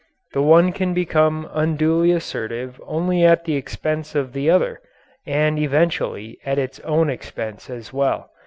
The one can become unduly assertive only at the expense of the other and eventually at its own expense as well.